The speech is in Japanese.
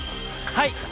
はい！